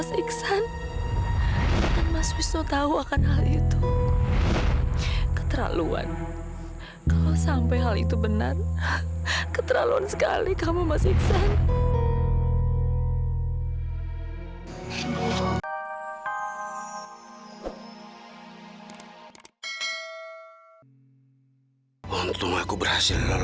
sampai jumpa di video selanjutnya